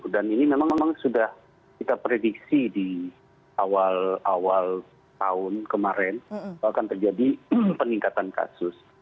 dan ini memang memang sudah kita prediksi di awal awal tahun kemarin akan terjadi peningkatan kasus